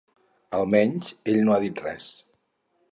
Almenys ell no ha dit res.